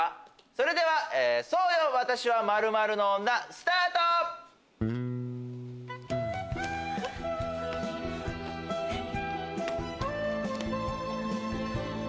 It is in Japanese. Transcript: それではそうよ私は○○の女スタート！えっ？